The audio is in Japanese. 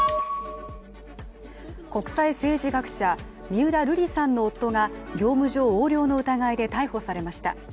国際政治学者、三浦瑠麗さんの夫が業務上横領の疑いで逮捕されました。